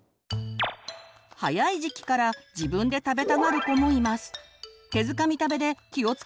早い時期から自分で食べたがる子もいます。